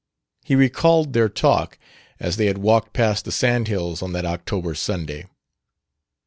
He recalled their talk as they had walked past the sand hills on that October Sunday.